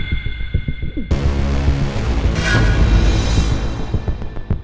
kau juga bisa